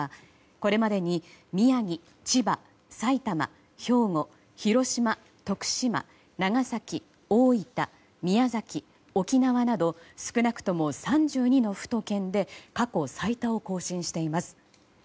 これまでに宮城、千葉、埼玉、兵庫、広島徳島、長崎、大分宮崎、沖縄など少なくとも３２の府と県で過去最多を更新しています。